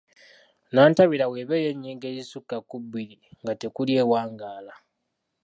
Nnantabira bw'eba ey’ennyingo ezisukka ku bbiri nga tekuli ewangaala.